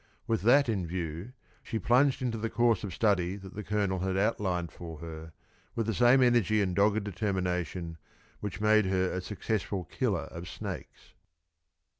With that in view, she plunged into the course of study that the Colonel outlined for her with the same energy and dogged determination which made her a successful killer of snakes.